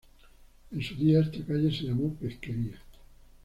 En su día, esta calle se llamó pesquería.